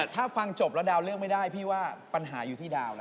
ถ้าฟังจบแล้วดาวเลือกไม่ได้พี่ว่าปัญหาอยู่ที่ดาวแล้ว